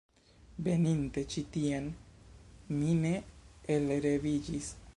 Veninte ĉi tien, mi ne elreviĝis.